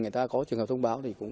người ta có trường hợp thông báo